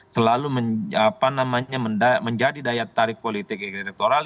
selalu apa namanya menjadi daya tarik politik ekonomi elektoral